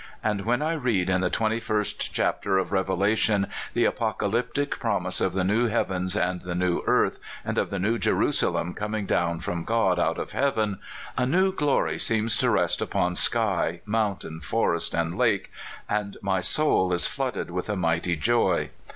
And when I read in the twenty first chapter of Revelation the Apocalyptic promise of the new heavens and the new earth, and of the New Jeru salem coming down from God out of heaven, a new glory seems to rest upon sky, mountain, forest, and lake, and my soul is flooded with a mighty joy.